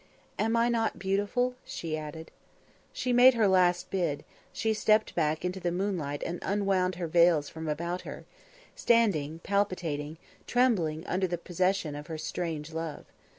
"Am I not beautiful?" she added. She made her last bid; she stepped back into the moonlight and unwound her veils from about her, standing, palpitating, trembling under the possession of her strange love.